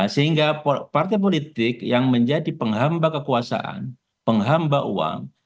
sehingga partai politik yang menjadi penghamba kekuasaan penghamba uang